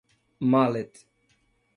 Mallet